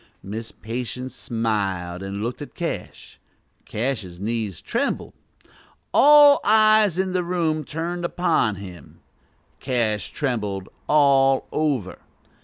Miss Patience smiled, and looked at Cash. Cash's knees trembled. All eyes in the room turned upon him. Cash trembled all over.